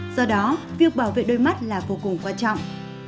do đó việc bảo vệ đôi mắt là vô cùng quan trọng